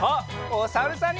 おさるさん。